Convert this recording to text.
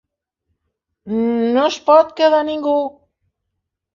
No es pot quedar ningú.